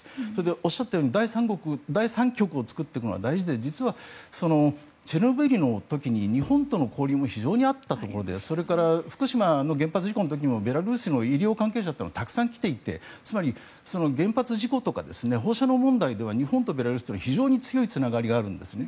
おっしゃったように第三極を作っていくのは大事なことで実はチョルノービリの時に日本との交流も非常にあったところで福島の原発事故の時もベラルーシの医療関係者はたくさん来ていてつまり原発事故とか放射能問題では日本とベラルーシは非常に強いつながりがあるんですね。